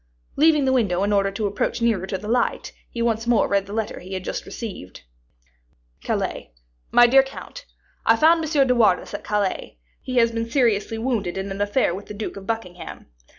Leaving the window in order to approach nearer to the light, he once more read the letter he had just received: "CALAIS. "MY DEAR COUNT, I found M. de Wardes at Calais; he has been seriously wounded in an affair with the Duke of Buckingham.